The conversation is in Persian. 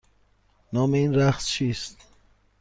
نام این رقص چیست؟